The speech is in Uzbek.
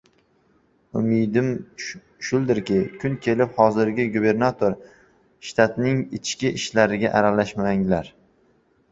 Umidim shuldirki, kun kelib hozirgi gubernator: «Shtatning ichki ishlariga aralashmanglar